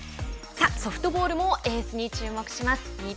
さあソフトボールもエースに注目します。